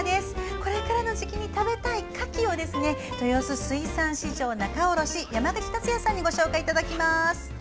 これからの時期に食べたいカキを豊洲水産市場仲卸山口達也さんにご紹介いただきます。